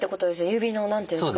指の何ていうんですか。